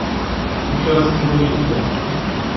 Amek ara teḍru yid-wen?